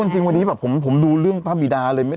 ขอโทษจริงวันนี้แบบผมดูเรื่องภาพวีดาเลย